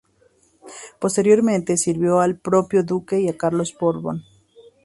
Posteriormente sirvió al propio duque y a Carlos de Borbón.